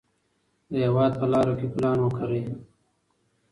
د هېواد په لارو کې ګلان وکرئ.